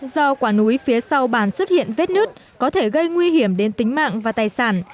do quả núi phía sau bàn xuất hiện vết nứt có thể gây nguy hiểm đến tính mạng và tài sản